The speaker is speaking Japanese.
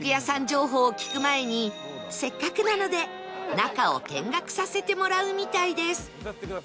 情報を聞く前にせっかくなので中を見学させてもらうみたいです